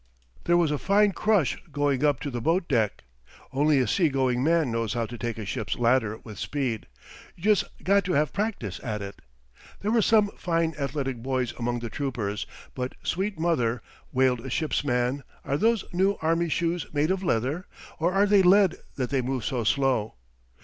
There was a fine crush going up to the boat deck. Only a seagoing man knows how to take a ship's ladder with speed. You just got to have practice at it. There were some fine athletic boys among the troopers, but "Sweet mother," wailed a ship's man, "are those new army shoes made of leather, or are they lead that they move so slow?"